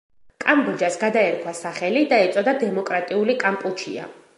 კამბოჯას გადაერქვა სახელი და ეწოდა „დემოკრატიული კამპუჩია“.